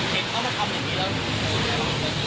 เห็นเขามาทำอย่างนี้แล้ว